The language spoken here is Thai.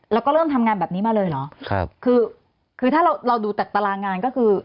แล้วก็เริ่มทำงานแบบนี้มาเลยเหรอครับคือคือถ้าเราเราดูจากตารางงานก็คือ